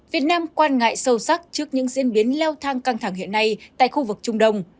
việt nam quan ngại sâu sắc trước những diễn biến leo thang căng thẳng hiện nay tại khu vực trung đông